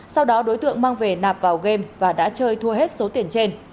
sau đó đối tượng mang về nạp vào game và đã chơi thua hết số tiền trên